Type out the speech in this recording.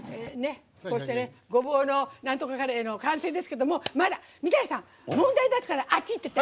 「ごぼうの●●●カレー」の完成ですけどもまだ、三谷さん、問題出すからあっちいってて！